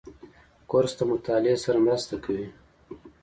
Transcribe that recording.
کورس د مطالعې سره مرسته کوي.